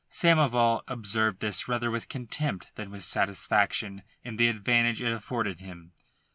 Samoval observed this rather with contempt than with satisfaction in the advantage it afforded him.